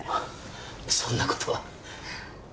そんな事は。